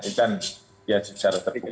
itu kan ya secara teringat